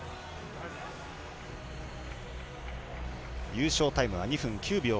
優勝タイムは２分９秒３７。